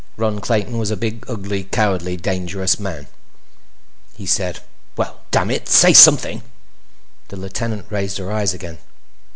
Ron Clayton was a big, ugly, cowardly, dangerous man. He said: "Well? Dammit, say something!" The lieutenant raised her eyes again.